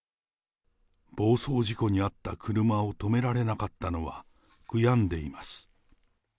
暴走事故にあった車を止められなかったのは、悔やんでいます。